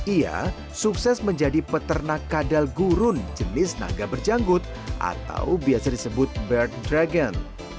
ia sukses menjadi peternak kadal gurun jenis naga berjanggut atau biasa disebut bert dragon